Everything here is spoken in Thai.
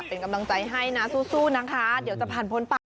เป็นกำลังใจให้นะสู้นะคะเดี๋ยวจะผ่านพ้นไป